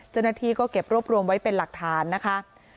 เจ้าหน้าที่ก็เก็บรวบรวมไว้เป็นหลักฐานนะคะ